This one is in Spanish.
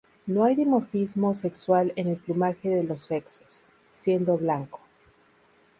No hay dimorfismo sexual en el plumaje de los sexos, siendo blanco.